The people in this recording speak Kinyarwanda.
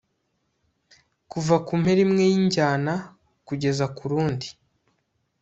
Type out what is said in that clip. Kuva kumpera imwe yinjyana kugeza kurundi